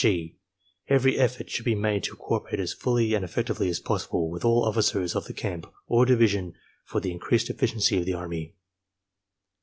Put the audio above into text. (g) Every effort should be made to cooperate as fully and effectively as possible with all officers of the camp or division for the increased efficiency of the Army.